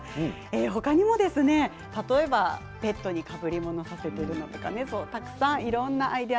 他にも、例えばペットにかぶりものをさせていたりたくさんいろんなアイデア